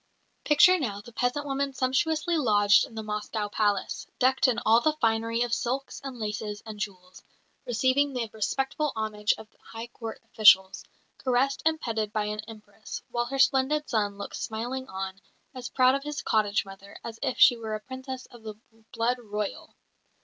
Picture now the peasant woman sumptuously lodged in the Moscow palace, decked in all the finery of silks and laces and jewels, receiving the respectful homage of high Court officials, caressed and petted by an Empress, while her splendid son looks smilingly on, as proud of his cottage mother as if she were a Princess of the Blood Royal.